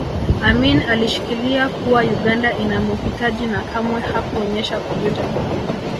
Amin alishikilia kuwa Uganda inamuhitaji na kamwe hakuonyesha kujuta